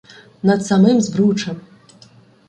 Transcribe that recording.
над самим Збручем.